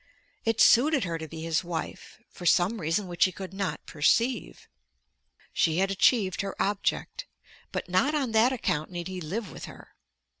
It suited her to be his wife, for some reason which he could not perceive. She had achieved her object; but not on that account need he live with her.